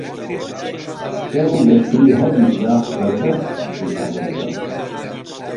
شەڕ و لەشکری هەردووک لا بە بەرق نیشان دەدرێن